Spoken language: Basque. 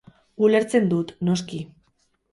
Ulertzen dut, noski.